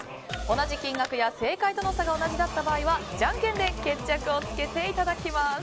同じ金額や正解との差が同じだった場合はじゃんけんで決着をつけていただきます。